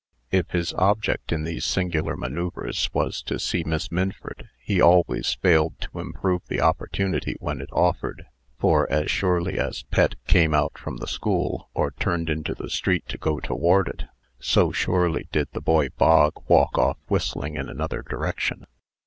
If his object in these singular manoeuvres was to see Miss Minford, he always failed to improve the opportunity when it offered; for, as surely as Pet came out from the school, or turned into the street to go toward it, so surely did the boy Bog walk off whistling in another direction.